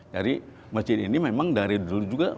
jadi masjid ini memang dari dulu juga